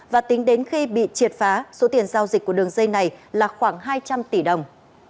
và tính đến khi bị triệt phá số tiền giao dịch của đường dây này là khoảng hai trăm linh tỷ đồng